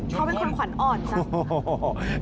เขาเป็นคนขวัญอ่อนจ้ะ